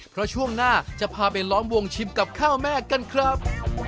เพราะช่วงหน้าจะพาไปล้อมวงชิมกับข้าวแม่กันครับ